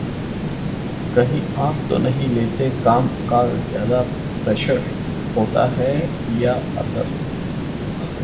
कहीं आप तो नहीं लेते काम का ज्यादा प्रेशर? होता है ये असर